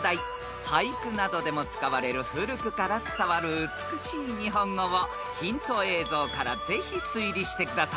［俳句などでも使われる古くから伝わる美しい日本語をヒント映像からぜひ推理してください］